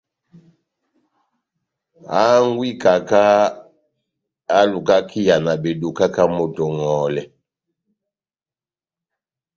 Hangwɛ y'ikaka ehálukaka iyàna beduka ká moto oŋòhòlɛ.